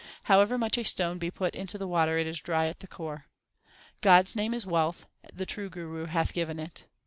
However much a stone be put into the water, it is dry at the core. God s name is wealth, the true Guru hath given it.